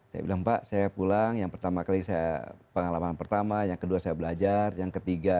saya pulang yang pertama kali saya pengalaman pertama yang kedua saya belajar yang ketiga